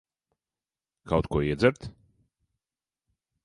Kaut ko iedzert?